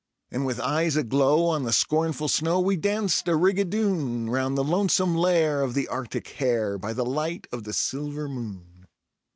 And with eyes aglow on the scornful snow we danced a rigadoon, Round the lonesome lair of the Arctic hare, by the light of the silver moon.